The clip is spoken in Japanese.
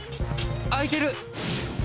空いてる！